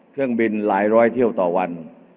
เครื่องบินหลายร้อยเที่ยวต่อวัน